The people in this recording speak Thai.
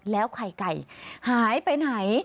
แล้วไข่ไก่หายไปไหน